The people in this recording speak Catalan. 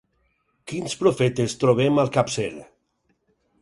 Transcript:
Quins profetes trobem al capcer?